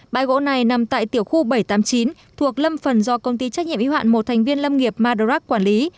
bãi gỗ này nằm tại tiểu khu bảy trăm tám mươi chín thuộc lâm phần do công ty trách nhiệm y hoạn một thành viên lâm nghiệp madrak quản lý